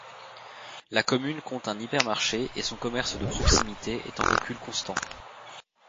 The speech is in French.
La commune compte un hypermarché et son commerce de proximité est en recul constant.